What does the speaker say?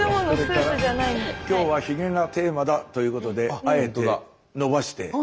今日はひげがテーマだということであえて伸ばして。